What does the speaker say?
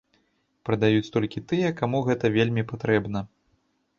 Прадаюць толькі тыя, каму гэта вельмі патрэбна.